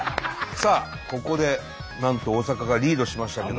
さあここでなんと大阪がリードしましたけど。